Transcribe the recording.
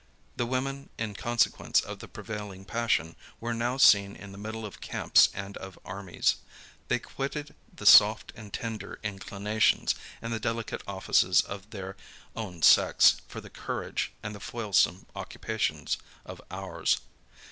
The women, in consequence of the prevailing passion, were now seen in the middle of camps and of armies. They quitted the soft and tender inclinations, and the delicate offices of their own sex, for the courage, and the toilsome occupations of ours.